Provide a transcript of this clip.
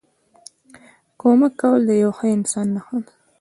کمک کول د یوه ښه انسان نښه ده.